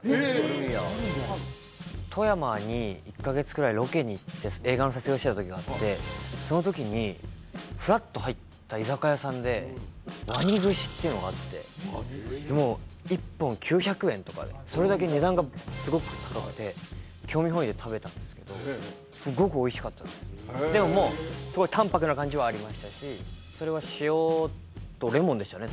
富山に１カ月くらいロケに行って映画の撮影をしてた時があってその時にフラッと入った居酒屋さんでワニ串っていうのがあってでも１本９００円とかでそれだけ値段がすごく高くて興味本位で食べたんですけどでももうすごいたんぱくな感じはありましたしそれは塩とレモンでしたね